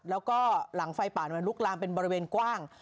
แล้วก็หลังไฟป่ามันลุกลามเป็นบริเวณกว้าง